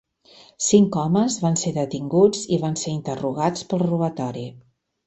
Cinc homes van ser detinguts i van interrogats pel robatori.